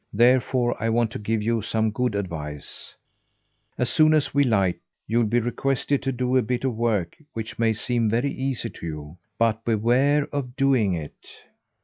Therefore I want to give you some good advice. As soon as we light, you'll be requested to do a bit of work which may seem very easy to you; but beware of doing it!"